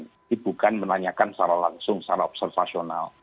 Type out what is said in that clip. ini bukan menanyakan secara langsung secara observasional